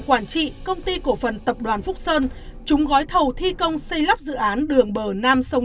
quản trị công ty cổ phần tập đoàn phúc sơn chúng gói thầu thi công xây lắp dự án đường bờ nam sông